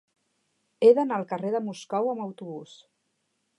He d'anar al carrer de Moscou amb autobús.